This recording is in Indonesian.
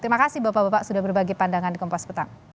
terima kasih bapak bapak sudah berbagi pandangan di kompos petang